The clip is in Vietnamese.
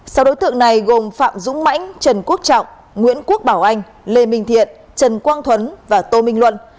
sau đối tượng này gồm phạm dũng mãnh trần quốc trọng nguyễn quốc bảo anh lê minh thiện trần quang thuấn và tô minh luân